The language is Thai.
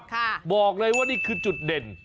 ค่ะกดแชร์บอกเลยว่านี่คือจุดเด่น